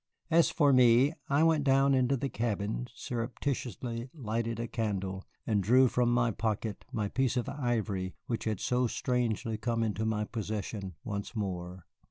As for me, I went down into the cabin, surreptitiously lighted a candle, and drew from my pocket that piece of ivory which had so strangely come into my possession once more.